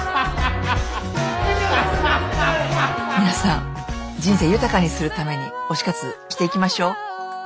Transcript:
皆さん人生豊かにするために推し活していきましょう！